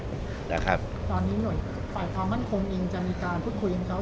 ตอนนี้หน่วยฝ่ายความมั่นคงเองจะมีการพูดคุยกันเขา